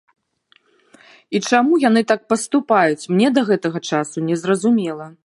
І чаму яны так паступаюць, мне да гэтага часу не зразумела.